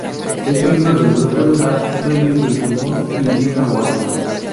Es miembro del grupo de rap "Reyes del Pulmón" y "Vieja Guardia".